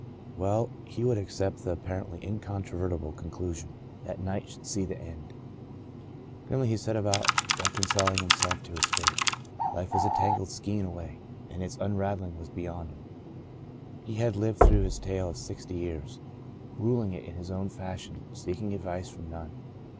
Well, he would accept the apparently incontroverti ble conclusion. That night should see the end. , Into a Far Country 73 \ Grimly he set about reconciling himself to \ his fate. Life was a tangled skein anyway, \ and its unravelling was beyond him. He had \lived through his tale of sixty years, ruling it in his own fashion — seeking advice from none.